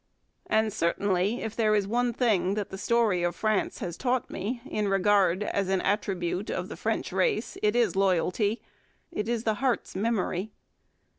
And certainly, if there is one thing that the story of France has taught me to regard as an attribute of the French race, it is loyalty, it is the heart's memory.